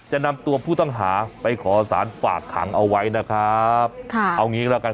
จะนำตัวผู้ต้องหาไปขอสารฝากขังเอาไว้นะครับค่ะเอางี้แล้วกัน